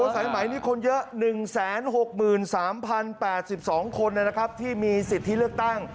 สายไหมนี่คนเยอะ๑๖๓๐๘๒คนที่มีสิทธิเลือกตั้ง